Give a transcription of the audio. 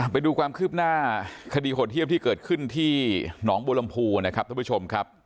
ไปดูความคืบหน้าคดีโหดเยี่ยมที่เกิดขึ้นที่หนองบัวลำพูนะครับท่านผู้ชมครับ